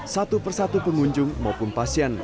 satu persatu pengunjung maupun pasien